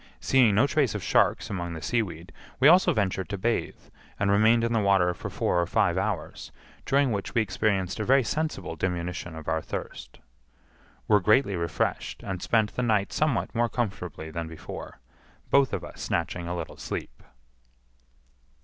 Seeing no trace of sharks among the seaweed, we also ventured to bathe, and remained in the water for four or five hours, during which we experienced a very sensible diminution of our thirst. Were greatly refreshed, and spent the night somewhat more comfortably than before, both of us snatching a little sleep.